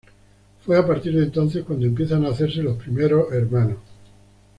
Fue a partir de entonces cuándo empiezan a hacerse los primeros hermanos.